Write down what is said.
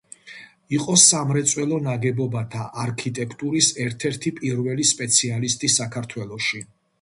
იყო სამრეწველო ნაგებობათა არქიტექტურის ერთ-ერთი პირველი სპეციალისტი საქართველოში.